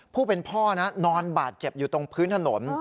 ผู้เป็นพ่อนะนอนบาดเจ็บอยู่ตรงพื้นถนน